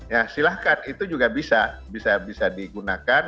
ya silakan itu juga bisa digunakan